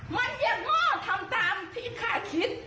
มันยังโง่ทำตามที่ข้าคิด